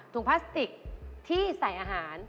พลาสติกที่ใส่อาหาร